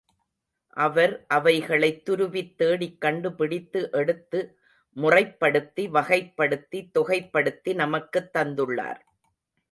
அவர் அவைகளைத் துருவித்தேடிக் கண்டுபிடித்து எடுத்து, முறைப்படுத்தி, வகைப்படுத்தி, தொகைப்படுத்தி நமக்குத் தந்துள்ளார்.